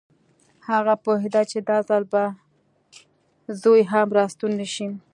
هغه پوهېده چې دا ځل به زوی هم راستون نه شي